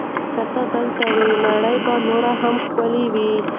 که ته دلته وای، نړۍ به نوره هم ښکلې وه.